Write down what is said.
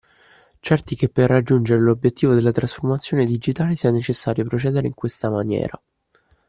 Certi che per raggiungere l’obiettivo della trasformazione digitale sia necessario procedere in questa maniera